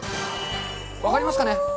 分かりますかね。